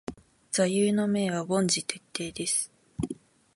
座右の銘は凡事徹底です。